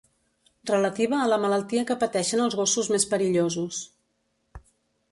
Relativa a la malaltia que pateixen els gossos més perillosos.